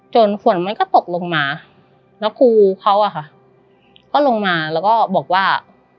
ฝนมันก็ตกลงมาแล้วครูเขาอะค่ะก็ลงมาแล้วก็บอกว่า